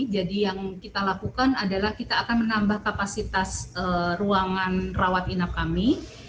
jadi yang kita lakukan adalah kita akan menambah kapasitas ruangan rawat inap kami